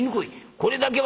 これだけは」。